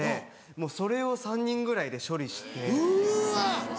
もうそれを３人ぐらいで処理して。